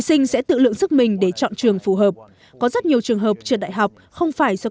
sinh sẽ tự lượng sức mình để chọn trường phù hợp có rất nhiều trường hợp trượt đại học không phải do